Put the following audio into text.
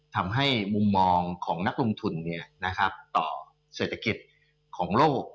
ทำให้มุมมองของนักลงทุนต่อเศรษฐกิจของโลก